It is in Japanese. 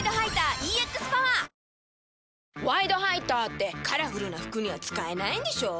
「ワイドハイター」ってカラフルな服には使えないんでしょ？